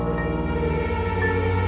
aku sudah berhenti